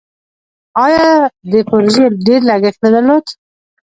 آیا دې پروژې ډیر لګښت نه درلود؟